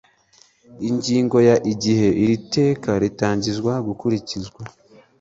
Ingingo ya Igihe iri Teka ritangira gukurikizwa